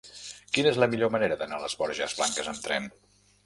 Quina és la millor manera d'anar a les Borges Blanques amb tren?